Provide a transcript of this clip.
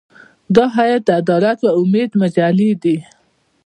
دا هیئت د عدالت او امید مجلې دی.